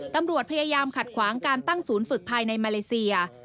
ตำรวจพยายามขัดขวางการตั้งศูนย์ฝึกภายในมาเลเซีย